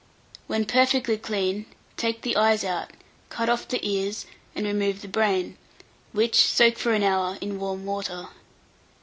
When perfectly clean, take the eyes out, cut off the ears, and remove the brain, which soak for an hour in warm water.